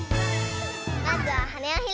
まずははねをひろげるよ！